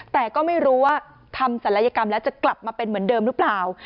แต่ก็ไม่รู้ว่าทำศัลยกรรมแล้วจะกลับมาเป็นเหมือนเดิมหรือเปล่า